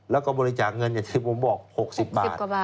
แล้วก็บริจาคเงินอย่างที่ผมบอก๖๐บาท